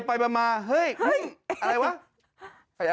ไปมาอะไรวะ